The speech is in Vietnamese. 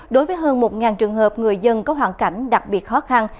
đối với hơn một trường hợp người dân có hoàn cảnh đặc biệt khó khăn